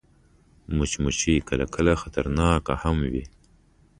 مچمچۍ کله کله خطرناکه هم وي